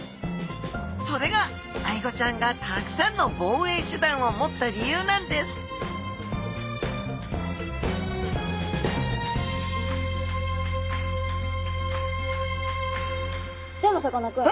それがアイゴちゃんがたくさんの防衛手段を持った理由なんですでもさかなクン。